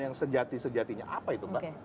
yang sejati sejatinya apa itu mbak